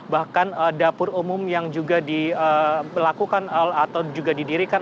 bahkan dapur umum yang juga dilakukan atau juga didirikan